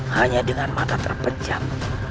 hanya dengan mata terpejam